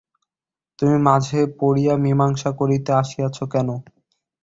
তুমি মাঝে পড়িয়া মীমাংসা করিতে আসিয়াছ কেন?